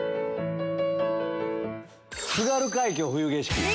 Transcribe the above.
『津軽海峡・冬景色』。